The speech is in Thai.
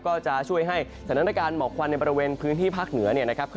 ก็จะช่วยให้สถานการณ์หมอกควันในบริเวณพื้นที่ภาคเหนือเนี่ยนะครับ